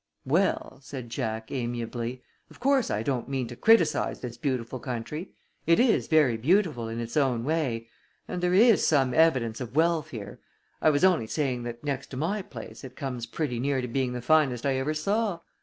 "Well," said Jack, amiably, "of course I don't mean to criticise this beautiful country. It is very beautiful in its own way, and there is some evidence of wealth here. I was only saying that next to my place it comes pretty near to being the finest I ever saw."